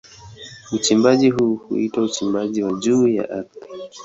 Uchimbaji huu huitwa uchimbaji wa juu ya ardhi.